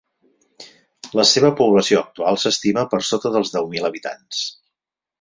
La seva població actual s'estima per sota dels deu mil habitants.